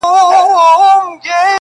هغې کافري په ژړا کي راته وېل ه